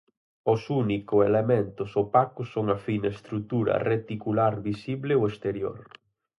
Os único elementos opacos son a fina estrutura reticular visible ao exterior.